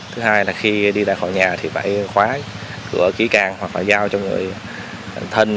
thứ hai là khi đi ra khỏi nhà thì phải khóa cửa ký can hoặc là giao cho người thân